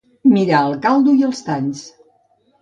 Mirar el caldo i els talls.